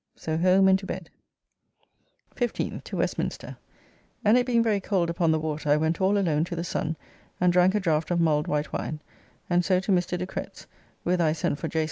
So home and to bed. 15th. To Westminster, and it being very cold upon the water I went all alone to the Sun and drank a draft of mulled white wine, and so to Mr. de Cretz, whither I sent for J.